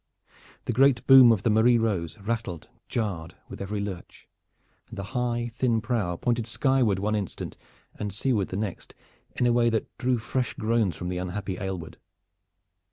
The great boom of the Marie Rose rattled and jarred with every lurch, and the high thin prow pointed skyward one instant and seaward the next in a way that drew fresh groans from the unhappy Aylward.